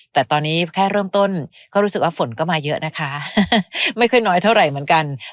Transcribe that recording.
แต่ตอนนี้แค่เริ่มต้นก็รู้สึกว่าฝนก็มาเยอะนะคะไม่ค่อยน้อยเท่าไหร่เหมือนกัน